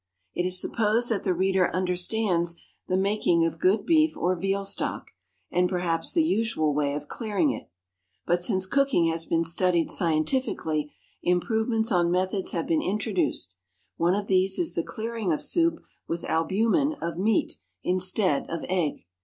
It is supposed that the reader understands the making of good beef or veal stock, and perhaps the usual way of clearing it. But since cooking has been studied scientifically, improvements on methods have been introduced; one of these is the clearing of soup with albumen of meat instead of egg.